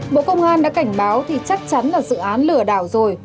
bộ công an đã cảnh báo thì chắc chắn là dự án lửa đảo rồi